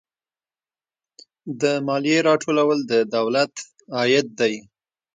د مالیې راټولول د دولت عاید دی